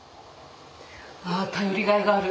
あ頼りがいがある。